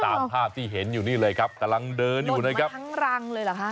ตามภาพที่เห็นอยู่นี่เลยครับกำลังเดินอยู่นะครับทั้งรังเลยเหรอฮะ